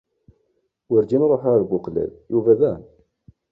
Werǧin ṛuḥeɣ ar Buqellal, Yuba daɣen.